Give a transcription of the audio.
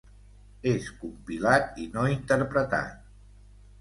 És compilat i no interpretat.